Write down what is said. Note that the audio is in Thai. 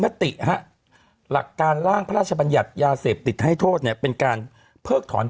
ติฮะหลักการร่างพระราชบัญญัติยาเสพติดให้โทษเนี่ยเป็นการเพิกถอน